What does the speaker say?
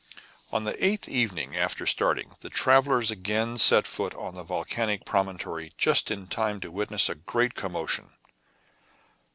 On the eighth evening after starting, the travelers again set foot on the volcanic promontory just in time to witness a great commotion.